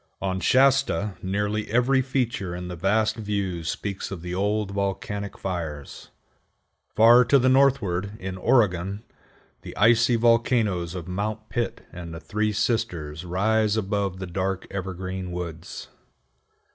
On Shasta nearly every feature in the vast view speaks of the old volcanic fires. Far to the northward, in Oregon, the icy volcanoes of Mount Pitt and the Three Sisters rise above the dark evergreen woods.